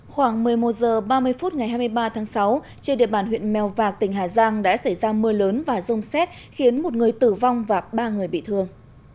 khoảng một mươi một h ba mươi phút ngày hai mươi ba tháng sáu trên địa bàn huyện mèo vạc tỉnh hà giang đã xảy ra mưa lớn và rông xét khiến một người tử vong và ba người bị thương